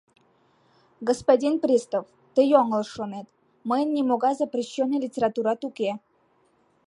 Господин пристав, тый йоҥылыш шонет, мыйын нимогай запрещённый литературат уке.